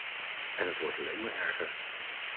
En het wordt alleen maar erger.